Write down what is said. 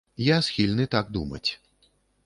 Я схільны так думаць.